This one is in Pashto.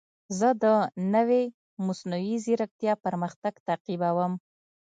زه د نوې مصنوعي ځیرکتیا پرمختګ تعقیبوم.